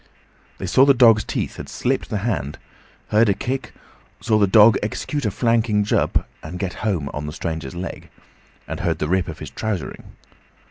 They saw the dog's teeth had slipped the hand, heard a kick, saw the dog execute a flanking jump and get home on the stranger's leg, and heard the rip of his trousering.